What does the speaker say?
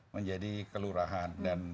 menjadi kelurahan dan